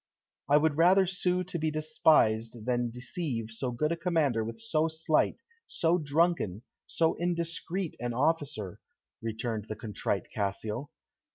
"I would rather sue to be despised than deceive so good a commander with so slight, so drunken, so indiscreet an officer," returned the contrite Cassio.